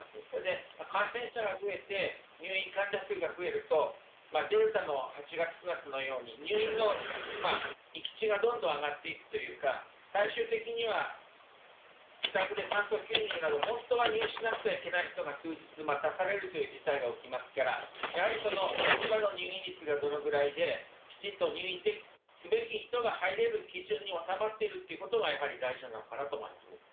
それで感染者が増えて、入院患者数が増えると、データの８月、９月のように入院の域値がどんどん上がっていくというか、最終的には、自宅で酸素吸入など、本当は入院しなくてはいけない人が数日待たされるという事態が起きますから、やはりその今の入院率がどのぐらいで、きちんと入院すべき人が入れる基準に収まっているっていうことがやはり大事なのかなと思います。